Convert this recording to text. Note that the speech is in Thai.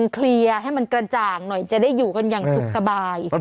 เคลียร์ให้มันกระจ่างหน่อยจะได้อยู่กันอย่างสุขสบาย